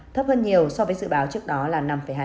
thấp hơn nhiều so với dự báo trước đó là năm hai